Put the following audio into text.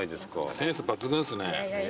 センス抜群ですね。